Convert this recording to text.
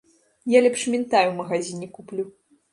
Я лепш мінтай ў магазіне куплю.